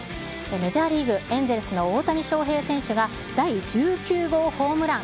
メジャーリーグ・エンゼルスの大谷翔平選手が、第１９号ホームラン。